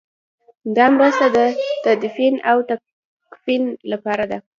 دا مرسته د تدفین او تکفین لپاره ده.